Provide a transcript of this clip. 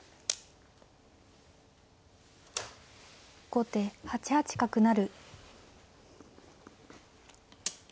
後手８八角成。